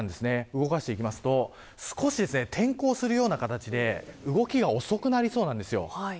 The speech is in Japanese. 動かしていくと少し転向するような形で動きが遅くなりそうなんです。